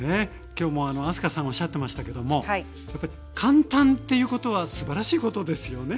今日も明日香さんおっしゃってましたけどもやっぱり簡単っていうことはすばらしいことですよね。